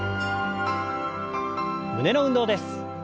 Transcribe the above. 胸の運動です。